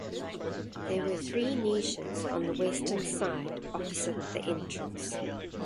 There were three niches on the western side (opposite the entrance).